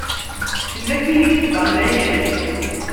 Tella tin i yeṭṭalayen.